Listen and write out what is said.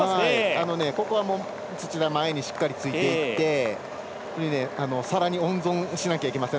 土田、前にしっかり着いていってさらに温存しなければいけません。